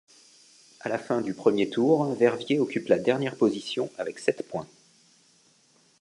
À la fin du premier tour, Verviers occupe la dernière position avec sept points.